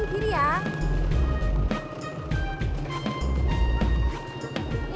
depan kiri ya